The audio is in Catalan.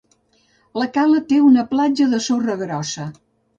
La cala té una platja de sorra grossa.